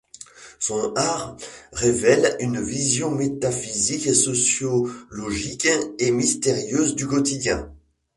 Son art révèle une vision métaphysique, sociologique et mystérieuse du quotidien.